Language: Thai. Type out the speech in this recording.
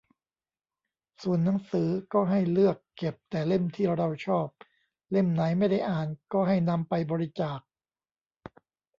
ส่วนหนังสือก็ให้เลือกเก็บแต่เล่มที่เราชอบ เล่มไหนไม่ได้อ่านก็ให้นำไปบริจาค